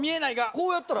こうやったら。